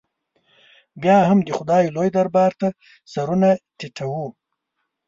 بیا هم د خدای لوی دربار ته سرونه ټیټو.